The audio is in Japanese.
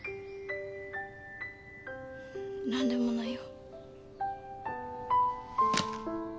何でもないよ。